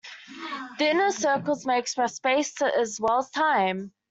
The inner circles may express space as well as time.